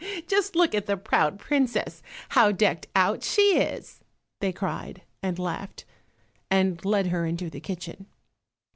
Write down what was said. "Just look at the proud princess, how decked out she is!" they cried, and laughed, and led her into the kitchen.